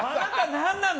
何なの？